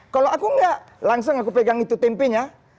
kalau aku enggak langsung aku pegang itu tempenya